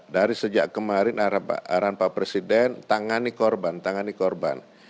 dari sejak kemarin arahan pak presiden tangani korban tangani korban